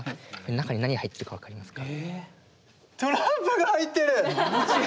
中に何が入ってるか分かりますか？